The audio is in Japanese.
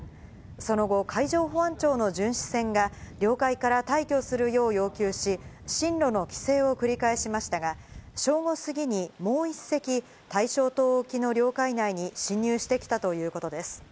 その後、海上保安庁の巡視船が領海から退去するよう要求し、進路の規制を繰り返しましたが、正午過ぎにもう１隻、大正島沖の領海内に侵入してきたということです。